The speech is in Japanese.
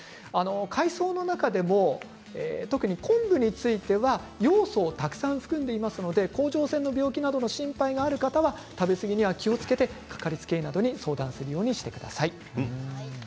海藻の中でも特に昆布についてはヨウ素がたくさん含まれているので甲状腺の病気などの心配がある方は食べ過ぎに気をつけて掛かりつけ医に相談するようにしてください。